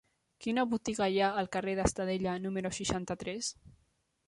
Quina botiga hi ha al carrer d'Estadella número seixanta-tres?